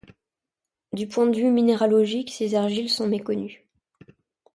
Du point de vue minéralogique, ces argiles sont méconnues.